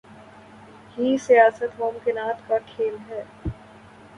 ہی سیاست ممکنات کا کھیل ہے۔